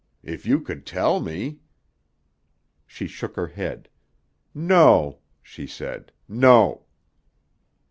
If you could tell me ?" She shook her head. "No," she said; "no."